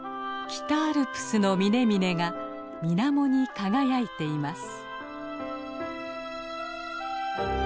北アルプスの峰々が水面に輝いています。